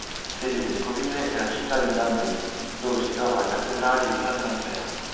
Sede vescovile è la città di Dundee, dove si trova la cattedrale di Sant'Andrea.